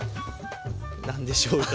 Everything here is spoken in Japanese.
なんでしょうか。